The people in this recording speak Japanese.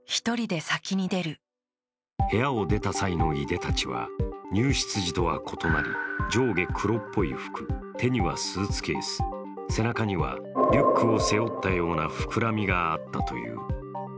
部屋を出た際のいでたちは入出時とは異なり、上下黒っぽい服、手にはスーツケース背中にはリュックを背負ったような膨らみがあったという。